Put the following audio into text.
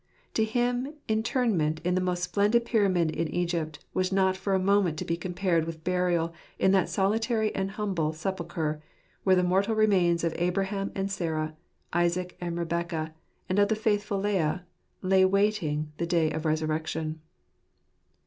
To him interment in the most splendid pyramid in Egypt was not for a moment to be compared with burial in that solitary and humble sepulchre, where the mortal remains of Abraham and Sarah, of Isaac and Rebekah, and of the faithful Leah, lay waiting the day of resurrection.